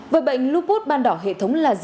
với bệnh lupus ban đỏ hệ thống là gì